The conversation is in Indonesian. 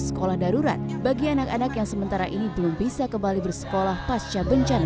sekolah darurat bagi anak anak yang sementara ini belum bisa kembali bersekolah pasca bencana